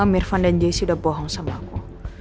amirvan dan jessi udah bohong sama aku